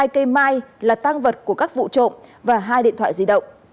hai cây mai là tăng vật của các vụ trộm và hai điện thoại di động